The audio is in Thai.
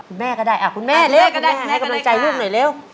คุณแม่ก็ได้คุณแม่เละก็ได้ให้กำลังใจลูกหน่อยเร็ว